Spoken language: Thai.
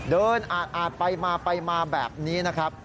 เดินอาดไปมาไปมาแบบนี้นะครับ